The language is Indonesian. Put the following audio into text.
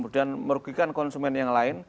dan merugikan konsumen yang lain